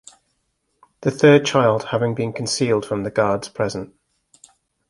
The third child having been concealed from the guards present.